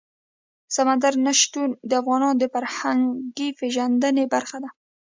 سمندر نه شتون د افغانانو د فرهنګي پیژندنې برخه ده.